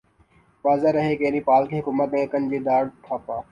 واضح رہے کہ نیپال کی حکومت نے کھجیندرا تھاپا